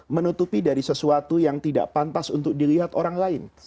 menutupi dari sesuatu yang tidak pantas untuk dilihat orang lain